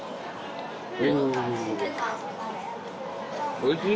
おいしい？